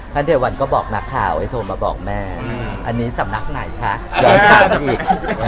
เทวันก็บอกนักข่าวให้โทรมาบอกแม่อันนี้สำนักไหนคะย้อนถามอีก